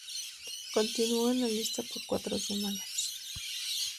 Continuó en la lista por cuatro semanas.